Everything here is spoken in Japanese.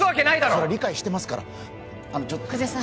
それは理解してますからあのちょっと久世さん